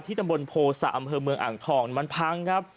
ตำบลโภษะอำเภอเมืองอ่างทองมันพังครับ